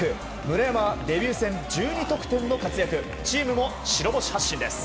村山はデビュー戦１２得点の活躍チームも白星発進です。